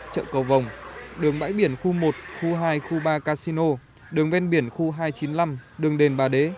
chợ cầu vồng đường bãi biển khu một khu hai khu ba casino đường ven biển khu hai trăm chín mươi năm đường đền bà đế